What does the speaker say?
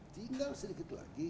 tinggal sedikit lagi